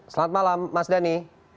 selamat malam mas dhani